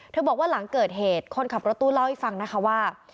บอกว่าหลังเกิดเหตุคนขับรถตู้เล่าให้ฟังนะคะว่า